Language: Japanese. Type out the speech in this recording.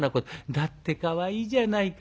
「だってかわいいじゃないか。